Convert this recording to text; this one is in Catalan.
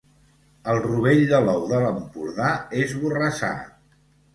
El rovell de l'ou de l'Empordà és Borrassà.